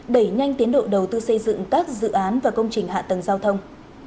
đẩy nhanh tiến độ đầu tư xây dựng các dự án và công trình hạ tầng giao thông